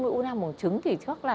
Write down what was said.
với u năng mổ trứng thì chắc là